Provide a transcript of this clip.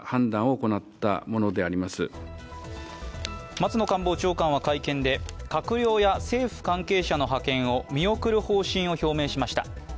松野官房長官は会見で、閣僚や政府関係者の派遣を見送る方針を表明しました。